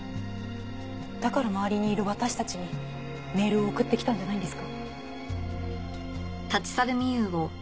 だから周りにいる私たちにメールを送ってきたんじゃないですか？